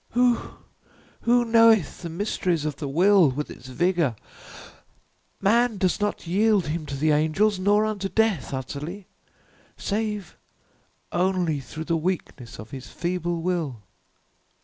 Who who knoweth the mysteries of the will with its vigor? Man doth not yield him to the angels, nor unto death utterly, save only through the weakness of his feeble will."